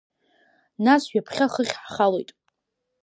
Нас ҩаԥхьа хыхь ҳхалоит.